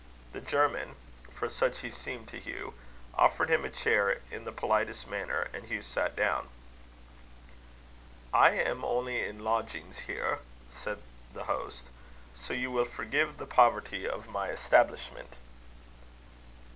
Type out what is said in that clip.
The German for such he seemed to Hugh offered him a chair in the politest manner; and Hugh sat down. "I am only in lodgings here," said the host; "so you will forgive the poverty of my establishment."